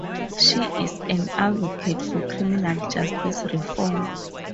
She is an advocate for criminal justice reform.